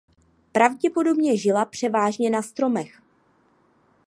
Pravděpodobně žila převážně na stromech.